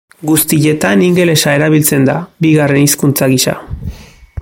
Guztietan ingelesa erabiltzen da bigarren hizkuntza gisa.